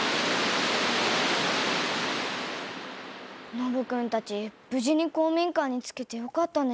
ノブ君たちぶ事に公みん館に着けてよかったね。